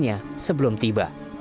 hentikannya sebelum tiba